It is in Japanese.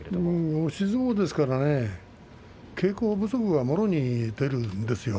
押し相撲ですから稽古不足はもろに出るんですよね。